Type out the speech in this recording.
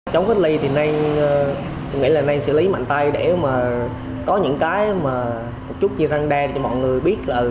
trốn cách ly thì nên xử lý mạnh tay để có những cái một chút như răng đe cho mọi người biết